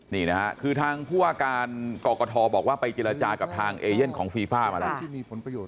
นี่นะฮะคือทางผู้ว่าการกรกฐบอกว่าไปเจรจากับทางเอเย่นของฟีฟ่ามาแล้ว